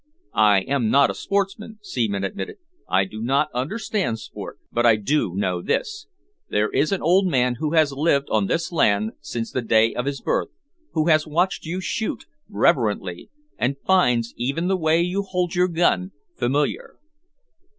"I am not a sportsman," Seaman admitted. "I do not understand sport. But I do know this: there is an old man who has lived on this land since the day of his birth, who has watched you shoot, reverently, and finds even the way you hold your gun familiar."